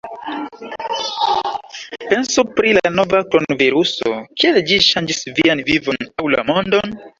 Pensu pri la nova kronviruso: kiel ĝi ŝanĝis vian vivon aŭ la mondon?